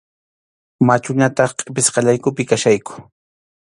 Machuñataq qʼipisqallaykupi kachkayku.